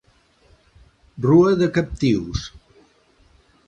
Rua de captius.